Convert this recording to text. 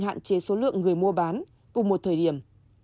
hạn chế số lượng người mua bán cùng một thời điểm